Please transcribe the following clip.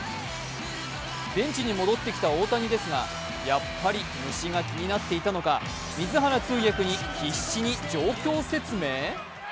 ベンチに戻ってきた大谷ですがやっぱり虫が気になっていたのか水原通訳に必死に状況説明？